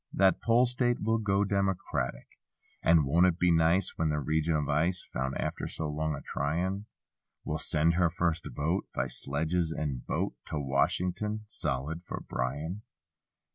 That Pole state will go Democratic. And won't it be nice. When this region of ice— Found, after so long a tryin', 119 Will send her first vote, By sledges and boat, To Washington—solid for Bryan.